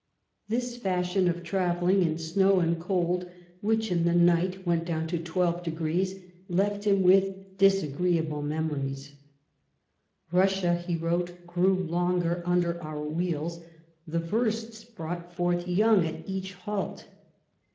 This fashion of travelling in snow and cold which in the night went down to twelve degrees, left him with disagreeable memories, " Russia," he wrote, " grew longer under our wheels ; the versts brought forth young at each halt."